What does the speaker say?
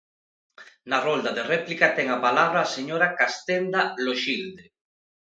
Na rolda de réplica ten a palabra a señora Castenda Loxilde.